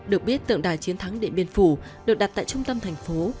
được biết tượng đài chiến thắng điện biên phủ được đặt tại trung tâm thành phố